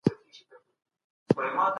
پرون مي له خپلي مور سره مرسته وکړه.